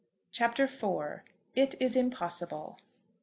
CHAPTER IV. "IT IS IMPOSSIBLE."